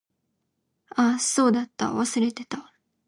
あ、そうだった。忘れてた。